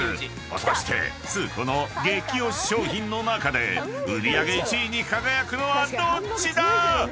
［果たしてスー子の激推し商品の中で売り上げ１位に輝くのはどっちだ⁉］